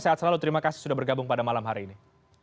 sehat selalu terima kasih sudah bergabung pada malam hari ini